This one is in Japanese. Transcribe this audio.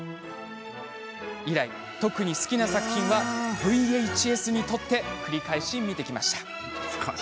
以来、特に好きな作品はＶＨＳに撮って繰り返し見てきました。